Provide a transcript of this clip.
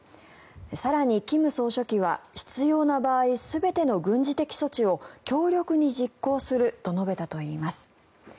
更に、金総書記は必要な場合全ての軍事的措置を強力に実行すると述べたといいます。